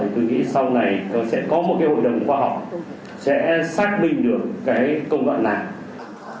thì tôi nghĩ sau này sẽ có một hội đồng khoa học sẽ xác định được cái công đoạn nào